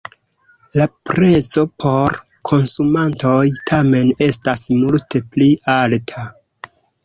La prezo por konsumantoj tamen estas multe pli alta.